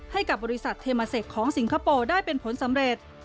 ให้กับบริษัทเทมาเซคของสิงคโปร์ได้เป็นผลสำเร็จ